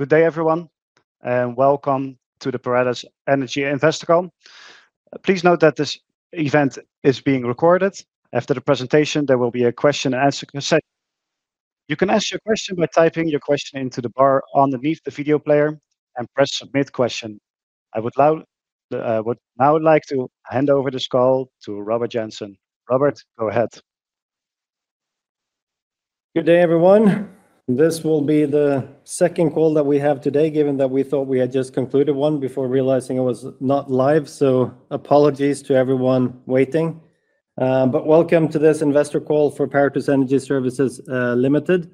Good day everyone, and welcome to the Paratus Energy Investor Call. Please note that this event is being recorded. After the presentation, there will be a question and answer session. You can ask your question by typing your question into the bar underneath the video player and press Submit Question. I would now like to hand over this call to Robert Jensen. Robert, go ahead. Good day, everyone. This will be the second call that we have today, given that we thought we had just concluded one before realizing it was not Live. Apologies to everyone waiting. But welcome to this Investor Call for Paratus Energy Services Limited,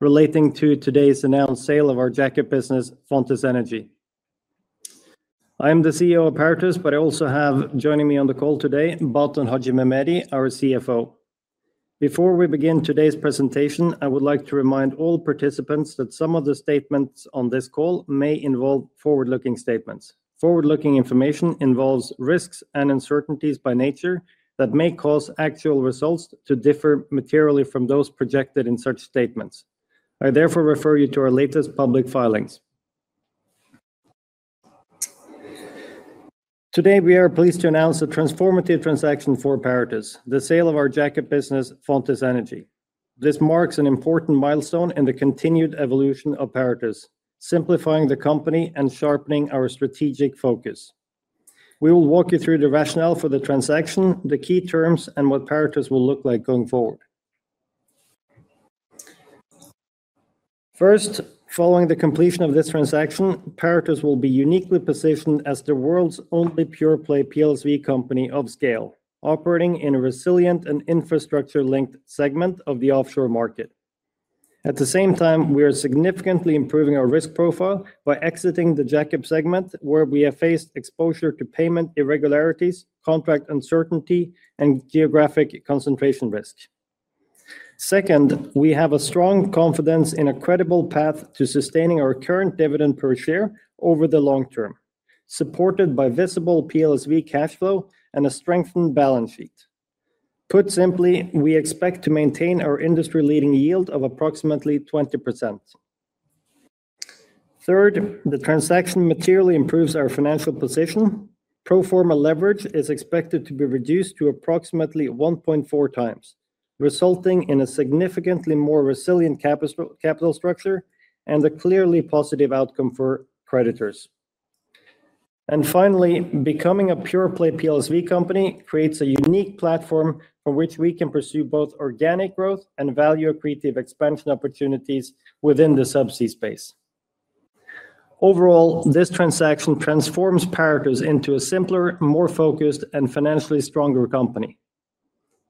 relating to today's announced sale of our jack-up business, Fontis Energy. I am the CEO of Paratus, but I also have joining me on the call today, Baton Haxhimehmedi, our CFO. Before we begin today's presentation, I would like to remind all participants that some of the statements on this call may involve forward-looking statements. Forward-looking information involves risks and uncertainties by nature that may cause actual results to differ materially from those projected in such statements. I therefore refer you to our latest public filings. Today, we are pleased to announce a transformative transaction for Paratus, the sale of our jack-up business, Fontis Energy. This marks an important milestone in the continued evolution of Paratus, simplifying the company and sharpening our strategic focus. We will walk you through the rationale for the transaction, the key terms, and what Paratus will look like going forward. First, following the completion of this transaction, Paratus will be uniquely positioned as the world's only pure-play PLSV company of scale, operating in a resilient and infrastructure-linked segment of the offshore market. At the same time, we are significantly improving our risk profile by exiting the jack-up segment, where we have faced exposure to payment irregularities, contract uncertainty, and geographic concentration risk. Second, we have a strong confidence in a credible path to sustaining our current dividend per share over the long term, supported by visible PLSV cash flow and a strengthened balance sheet. Put simply, we expect to maintain our industry-leading yield of approximately 20%. Third, the transaction materially improves our financial position. Pro forma leverage is expected to be reduced to approximately 1.4 times, resulting in a significantly more resilient capital structure and a clearly positive outcome for creditors. Finally, becoming a pure-play PLSV company creates a unique platform from which we can pursue both organic growth and value-accretive expansion opportunities within the subsea space. Overall, this transaction transforms Paratus into a simpler, more focused, and financially stronger company.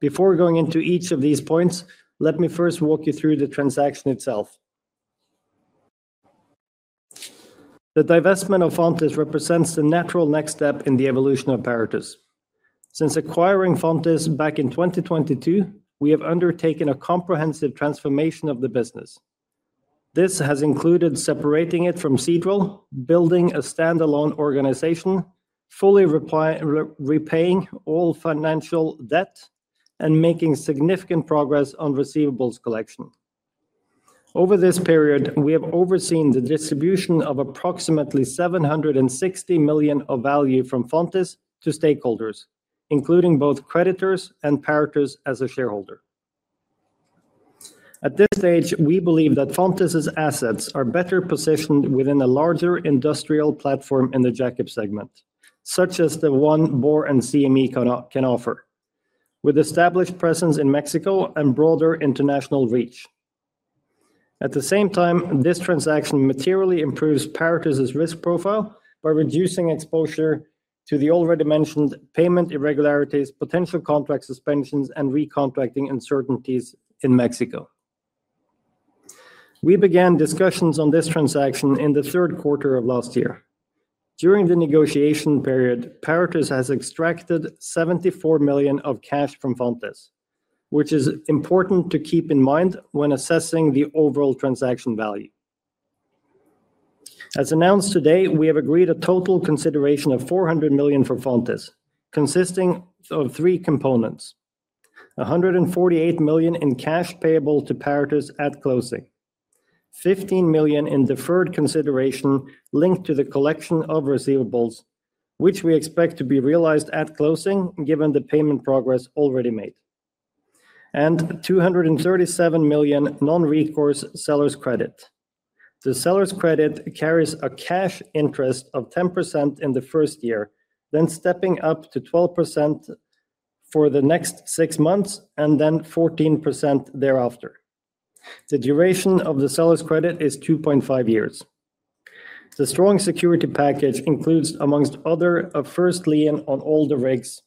Before going into each of these points, let me first walk you through the transaction itself. The divestment of Fontis represents the natural next step in the evolution of Paratus. Since acquiring Fontis back in 2022, we have undertaken a comprehensive transformation of the business. This has included separating it from Seadrill, building a standalone organization, fully repaying all financial debt, and making significant progress on receivables collection. Over this period, we have overseen the distribution of approximately $760 million of value from Fontis to stakeholders, including both creditors and Paratus as a shareholder. At this stage, we believe that Fontis' assets are better positioned within a larger industrial platform in the jack-up segment, such as the one Borr and CME can offer, with established presence in Mexico and broader international reach. At the same time, this transaction materially improves Paratus' risk profile by reducing exposure to the already mentioned payment irregularities, potential contract suspensions, and recontracting uncertainties in Mexico. We began discussions on this transaction in the third quarter of last year. During the negotiation period, Paratus has extracted $74 million of cash from Fontis, which is important to keep in mind when assessing the overall transaction value. As announced today, we have agreed a total consideration of $400 million for Fontis, consisting of three components, $148 million in cash payable to Paratus at closing, $15 million in deferred consideration linked to the collection of receivables, which we expect to be realized at closing given the payment progress already made, and $237 million non-recourse seller's credit. The seller's credit carries a cash interest of 10% in the first year, then stepping up to 12% for the next six months, and then 14% thereafter. The duration of the seller's credit is 2.5 years. The strong security package includes, among other, a first lien on all the rigs,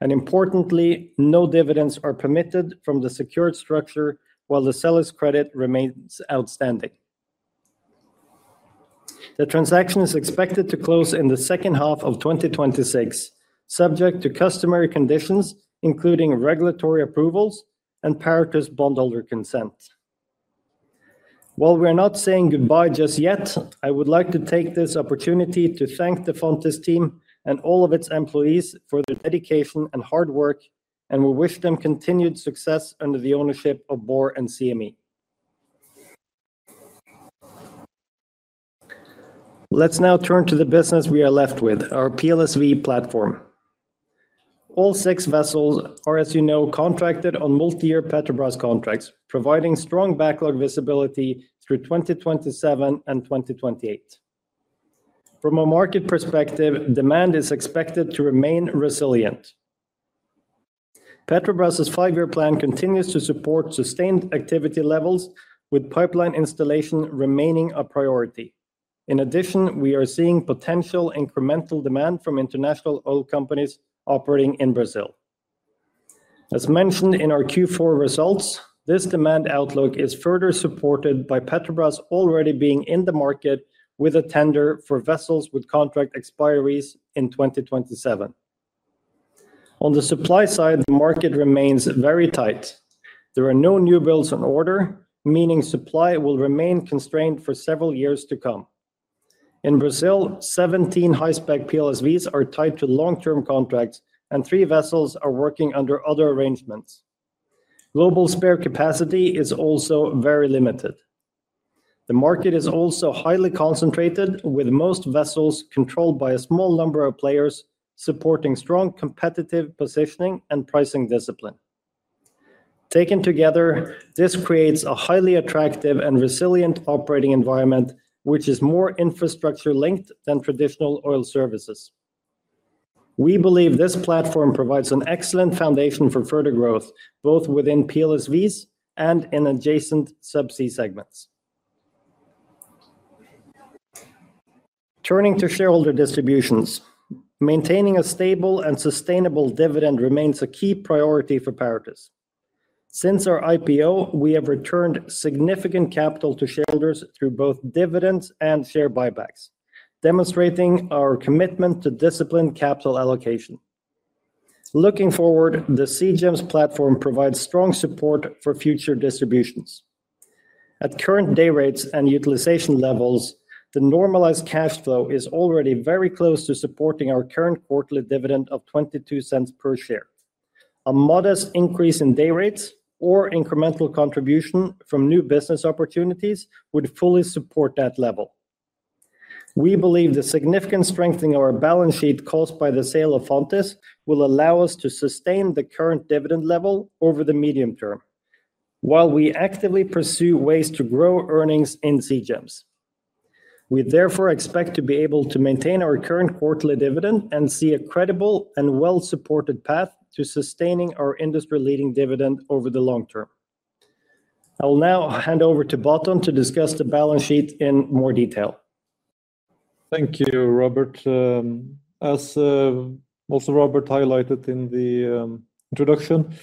and importantly, no dividends are permitted from the secured structure while the seller's credit remains outstanding. The transaction is expected to close in the second half of 2026, subject to customary conditions, including regulatory approvals and Paratus bondholder consent. While we are not saying goodbye just yet, I would like to take this opportunity to thank the Fontis team and all of its employees for their dedication and hard work. We wish them continued success under the ownership of Borr and CME. Let's now turn to the business we are left with, our PLSV platform. All six vessels are, as you know, contracted on multi-year Petrobras contracts, providing strong backlog visibility through 2027 and 2028. From a market perspective, demand is expected to remain resilient. Petrobras' five-year plan continues to support sustained activity levels, with pipeline installation remaining a priority. In addition, we are seeing potential incremental demand from international oil companies operating in Brazil. As mentioned in our Q4 results, this demand outlook is further supported by Petrobras already being in the market with a tender for vessels with contract expiries in 2027. On the supply side, the market remains very tight. There are no new builds on order, meaning supply will remain constrained for several years to come. In Brazil, 17 high-spec PLSVs are tied to long-term contracts, and three vessels are working under other arrangements. Global spare capacity is also very limited. The market is also highly concentrated, with most vessels controlled by a small number of players supporting strong competitive positioning and pricing discipline. Taken together, this creates a highly attractive and resilient operating environment, which is more infrastructure-linked than traditional oil services. We believe this platform provides an excellent foundation for further growth, both within PLSVs and in adjacent subsea segments. Turning to shareholder distributions, maintaining a stable and sustainable dividend remains a key priority for Paratus. Since our IPO, we have returned significant capital to shareholders through both dividends and share buybacks, demonstrating our commitment to disciplined capital allocation. Looking forward, the SeaGems platform provides strong support for future distributions. At current day rates and utilization levels, the normalized cash flow is already very close to supporting our current quarterly dividend of $0.22 per share. A modest increase in day rates or incremental contribution from new business opportunities would fully support that level. We believe the significant strengthening of our balance sheet caused by the sale of Fontis will allow us to sustain the current dividend level over the medium term, while we actively pursue ways to grow earnings in SeaGems. We therefore expect to be able to maintain our current quarterly dividend and see a credible and well-supported path to sustaining our industry-leading dividend over the long term. I will now hand over to Baton to discuss the balance sheet in more detail. Thank you, Robert. As also Robert highlighted in the introduction,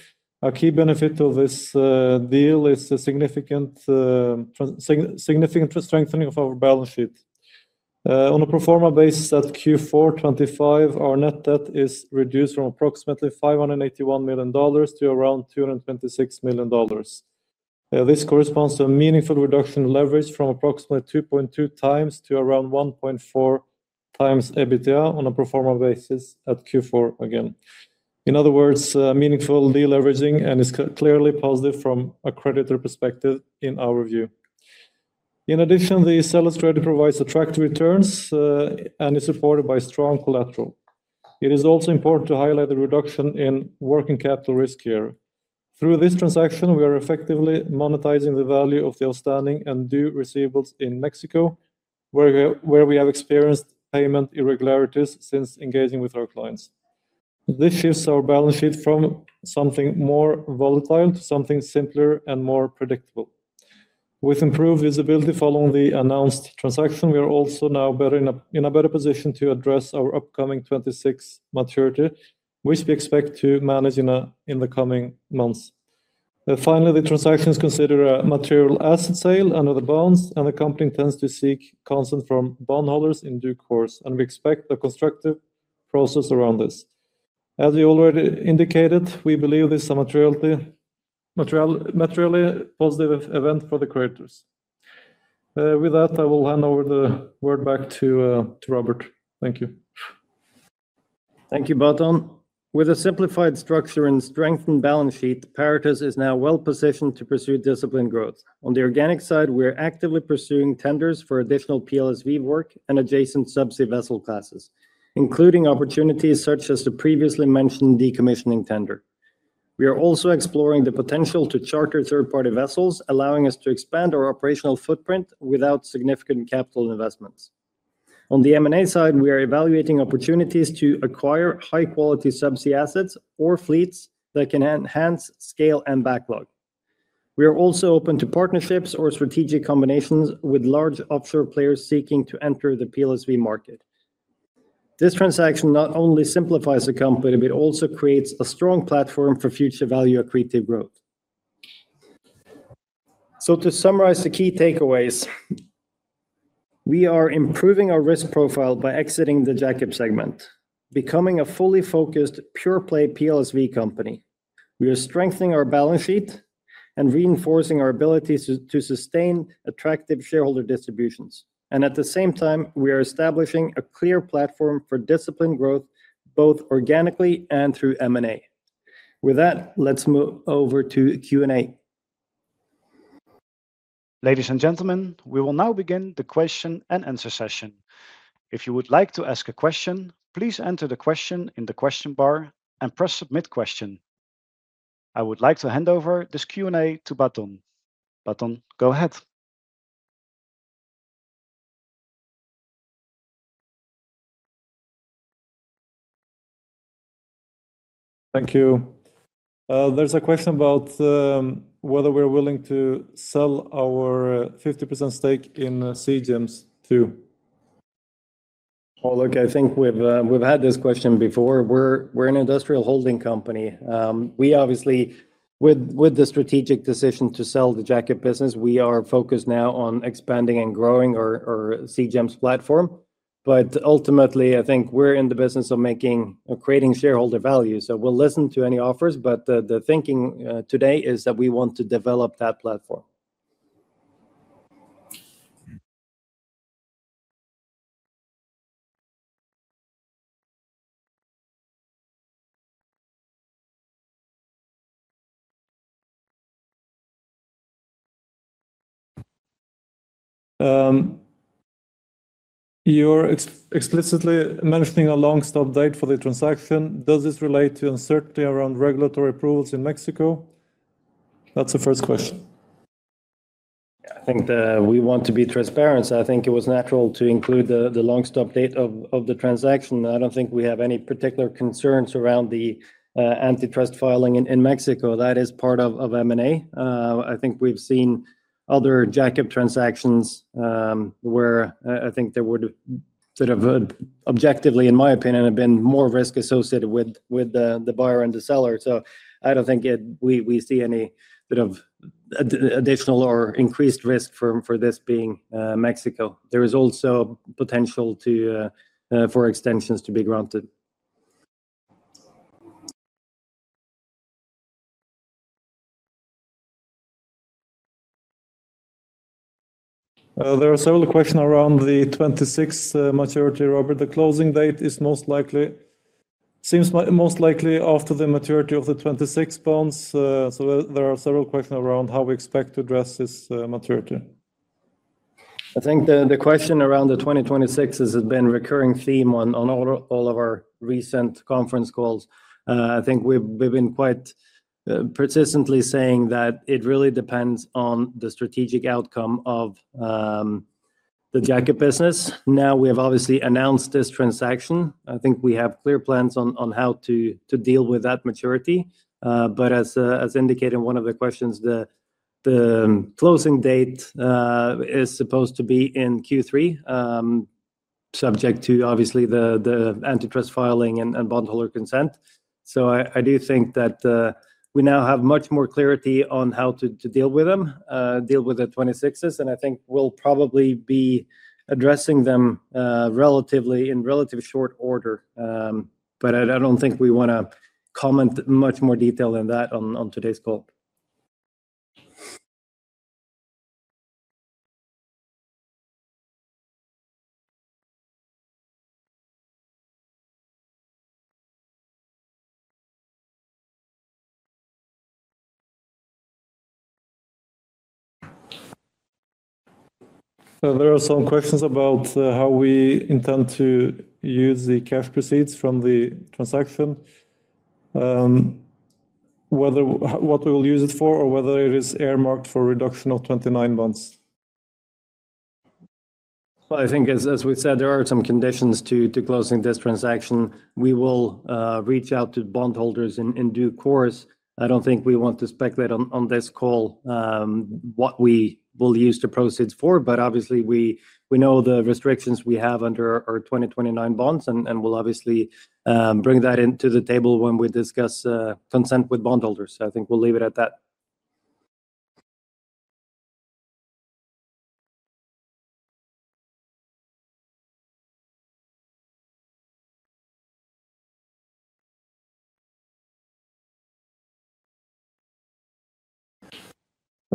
a key benefit of this deal is the significant strengthening of our balance sheet. On a pro forma basis at Q4 2025, our net debt is reduced from approximately $581 million to around $226 million. This corresponds to a meaningful reduction in leverage from approximately 2.2x to around 1.4x EBITDA on a pro forma basis at Q4 again. In other words, meaningful deleveraging, and it's clearly positive from a creditor perspective in our view. In addition, the seller's credit provides attractive returns, and is supported by strong collateral. It is also important to highlight the reduction in working capital risk here. Through this transaction, we are effectively monetizing the value of the outstanding and due receivables in Mexico, where we have experienced payment irregularities since engaging with our clients. This shifts our balance sheet from something more volatile to something simpler and more predictable. With improved visibility following the announced transaction, we are also now in a better position to address our upcoming 2026 maturity, which we expect to manage in the coming months. Finally, the transaction is considered a material asset sale under the bonds, and the company intends to seek consent from bondholders in due course, and we expect a constructive process around this. As we already indicated, we believe this is a materially positive event for the creditors. With that, I will hand over the word back to Robert. Thank you. Thank you, Baton. With a simplified structure and strengthened balance sheet, Paratus is now well-positioned to pursue disciplined growth. On the organic side, we are actively pursuing tenders for additional PLSV work and adjacent subsea vessel classes, including opportunities such as the previously mentioned decommissioning tender. We are also exploring the potential to charter third-party vessels, allowing us to expand our operational footprint without significant capital investments. On the M&A side, we are evaluating opportunities to acquire high-quality subsea assets or fleets that can enhance scale and backlog. We are also open to partnerships or strategic combinations with large offshore players seeking to enter the PLSV market. This transaction not only simplifies the company, but it also creates a strong platform for future value-accretive growth. To summarize the key takeaways, we are improving our risk profile by exiting the jack-up segment, becoming a fully focused pure-play PLSV company. We are strengthening our balance sheet and reinforcing our ability to sustain attractive shareholder distributions. At the same time, we are establishing a clear platform for disciplined growth, both organically and through M&A. With that, let's move over to Q&A. Ladies and gentlemen, we will now begin the question and answer session. If you would like to ask a question, please enter the question in the question bar and press Submit Question. I would like to hand over this Q&A to Baton Haxhimehmedi. Baton Haxhimehmedi, go ahead. Thank you. There's a question about whether we're willing to sell our 50% stake in SeaGems too. Oh, look, I think we've had this question before. We're an industrial holding company. We obviously with the strategic decision to sell the jack-up business, we are focused now on expanding and growing our SeaGems platform. Ultimately, I think we're in the business of making or creating shareholder value. We'll listen to any offers, but the thinking today is that we want to develop that platform. You're explicitly mentioning a long stop date for the transaction. Does this relate to uncertainty around regulatory approvals in Mexico? That's the first question. I think we want to be transparent, so I think it was natural to include the long stop date of the transaction. I don't think we have any particular concerns around the antitrust filing in Mexico. That is part of M&A. I think we've seen other jack-up transactions, where I think there would sort of objectively, in my opinion, have been more risk associated with the buyer and the seller. I don't think we see any bit of additional or increased risk for this being Mexico. There is also potential for extensions to be granted. There are several questions around the 2026 maturity, Robert. The closing date is most likely after the maturity of the 2026 bonds. There are several questions around how we expect to address this maturity. I think the question around the 2026 has been recurring theme on all of our recent conference calls. I think we've been quite persistently saying that it really depends on the strategic outcome of the jack-up business. Now, we have obviously announced this transaction. I think we have clear plans on how to deal with that maturity. As indicated in one of the questions, the closing date is supposed to be in Q3, subject to obviously the antitrust filing and bondholder consent. I do think that we now have much more clarity on how to deal with them, deal with the 2026s, and I think we'll probably be addressing them in relatively short order. I don't think we wanna comment much more detail than that on today's call. There are some questions about how we intend to use the cash proceeds from the transaction. Whether what we will use it for, or whether it is earmarked for reduction of 2029 bonds. Well, I think as we said, there are some conditions to closing this transaction. We will reach out to bondholders in due course. I don't think we want to speculate on this call what we will use the proceeds for. Obviously, we know the restrictions we have under our 2029 bonds, and we'll obviously bring that to the table when we discuss consent with bondholders. I think we'll leave it at that.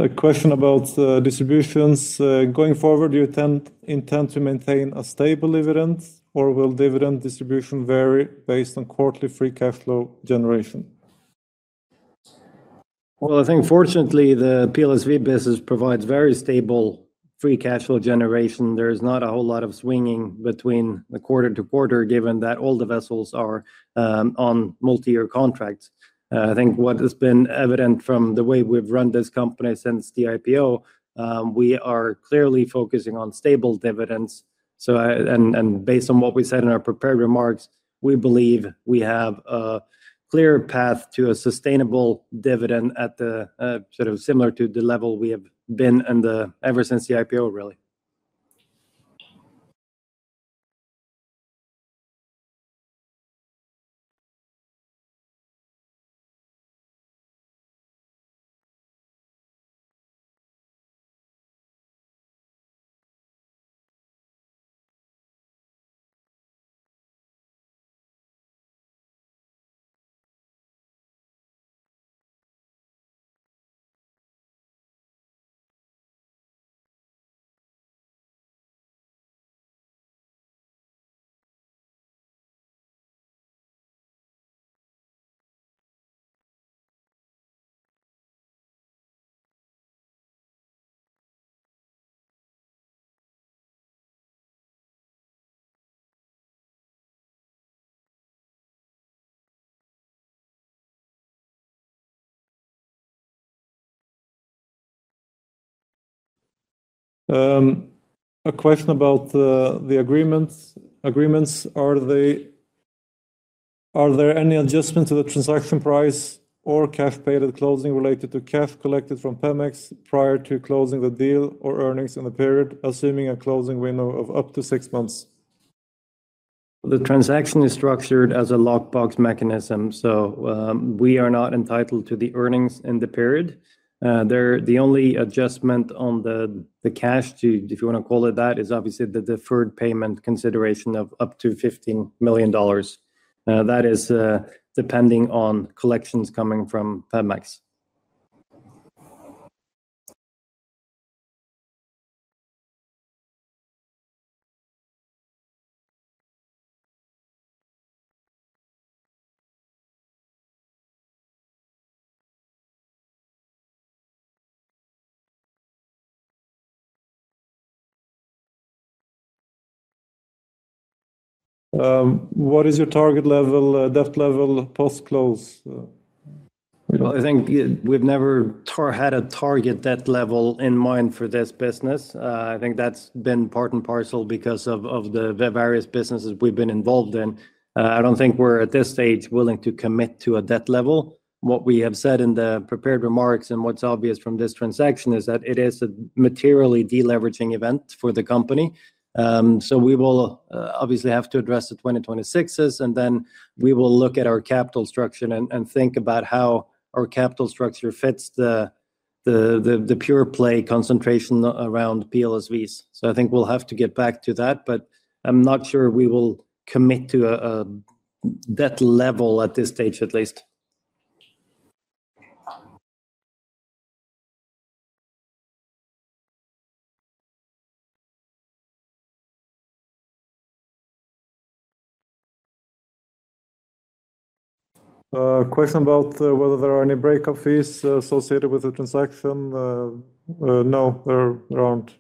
A question about distributions. Going forward, do you intend to maintain a stable dividend, or will dividend distribution vary based on quarterly free cash flow generation? Well, I think fortunately, the PLSV business provides very stable free cash flow generation. There is not a whole lot of swinging between the quarter to quarter, given that all the vessels are on multi-year contracts. I think what has been evident from the way we've run this company since the IPO, we are clearly focusing on stable dividends. Based on what we said in our prepared remarks, we believe we have a clear path to a sustainable dividend at the sort of similar to the level we have been ever since the IPO, really. A question about the agreements. Are there any adjustments to the transaction price or cash paid at closing related to cash collected from Pemex prior to closing the deal or earnings in the period, assuming a closing window of up to six months? The transaction is structured as a lockbox mechanism, so we are not entitled to the earnings in the period. The only adjustment on the cash, too, if you want to call it that, is obviously the deferred consideration of up to $15 million. That is, depending on collections coming from Pemex. What is your target level, debt level post-close? Well, I think we've never had a target debt level in mind for this business. I think that's been part and parcel because of the various businesses we've been involved in. I don't think we're at this stage willing to commit to a debt level. What we have said in the prepared remarks and what's obvious from this transaction is that it is a materially de-leveraging event for the company. We will obviously have to address the 2026s, and then we will look at our capital structure and think about how our capital structure fits the pure play concentration around PLSVs. I think we'll have to get back to that, but I'm not sure we will commit to a debt level at this stage at least. Question about whether there are any breakup fees associated with the transaction. No, there aren't.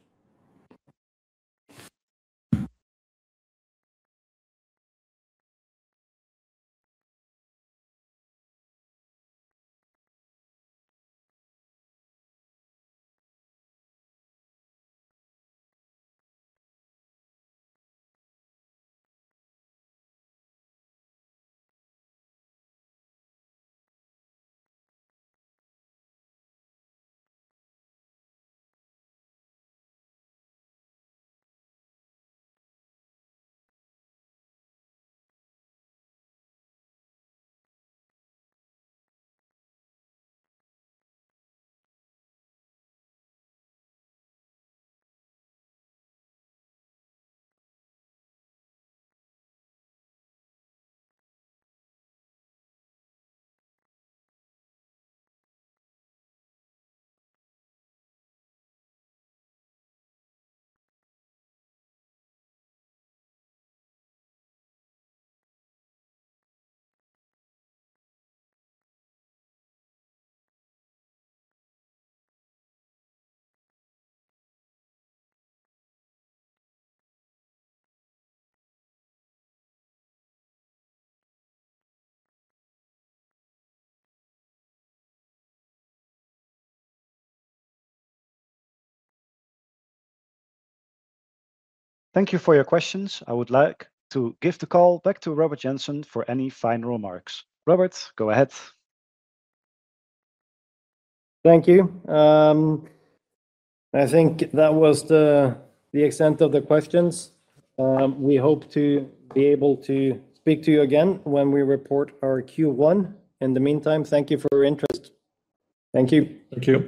Thank you for your questions. I would like to give the call back to Robert Jensen for any final remarks. Robert, go ahead. Thank you. I think that was the extent of the questions. We hope to be able to speak to you again when we report our Q1. In the meantime, thank you for your interest. Thank you. Thank you.